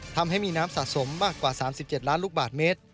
ทำให้มีน้ำสะสมมากกว่า๓๗ล้านลูกบาทเมตร